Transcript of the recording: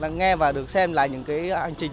nghe và được xem lại những cái hành trình